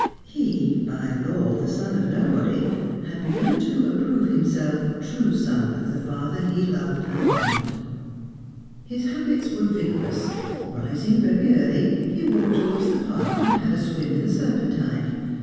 He, by law the son of nobody, had begun to approve himself true son of the father he loved and honoured. His habits were vigorous. Rising very early, he walked across the Park, and had a swim in the Serpentine.